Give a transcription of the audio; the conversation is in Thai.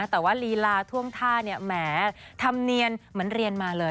แต่ว่าลีลาท่วงท่าแหมทำเนียนเหมือนเรียนมาเลย